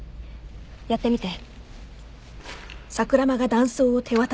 やってみて。